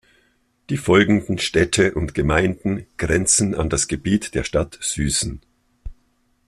Die folgenden Städte und Gemeinden grenzen an das Gebiet der Stadt Süßen.